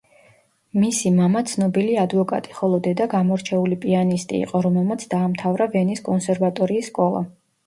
მისი მამა ცნობილი ადვოკატი, ხოლო დედა გამორჩეული პიანისტი იყო, რომელმაც დაამთავრა ვენის კონსერვატორიის სკოლა.